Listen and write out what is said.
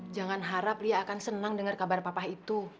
jangan harap dia akan senang dengar kabar papa itu